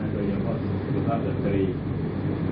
โดยยังบอกสิทธิภาพจัดเจรีย์